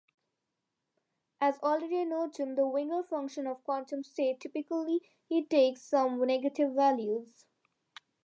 As already noted, the Wigner function of quantum state typically takes some negative values.